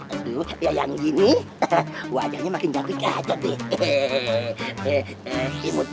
aduh ya yang gini wajahnya makin cantik aja deh